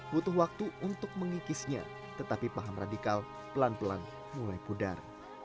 butuh waktu untuk mengikisnya tetapi paham radikal pelan pelan mulai pudar